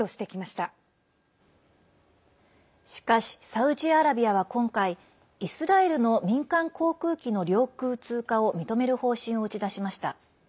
しかし、サウジアラビアは今回イスラエルの民間航空機の領空通過を認める方針を打ち出しました。